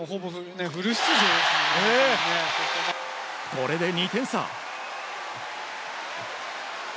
これで２点差。